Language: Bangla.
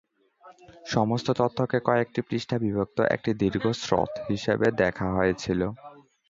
সমস্ত তথ্যকে কয়েকটি পৃষ্ঠায় বিভক্ত একটি দীর্ঘ "স্রোত" হিসাবে দেখা হয়েছিল।